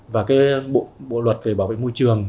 và cái bộ luật về bảo vệ môi trường